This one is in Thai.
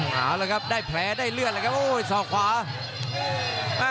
เอาละครับได้แผลได้เลือดเลยครับโอ้ยสอกขวา